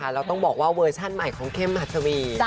เราต้องบอกว่าเวอร์ชั่นใหม่ของเข้มหัสวี